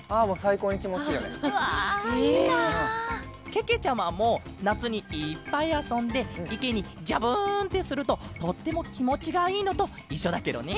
けけちゃまもなつにいっぱいあそんでいけにジャブンってするととってもきもちがいいのといっしょだケロね！